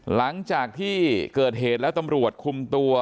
หลังจากที่เกิดเหตุแล้วตำรวจคุมตัว